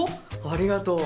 ありがとう。